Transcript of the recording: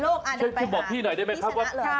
น้องอามานี่คืบบอกที่หน่อยได้ไหมครับ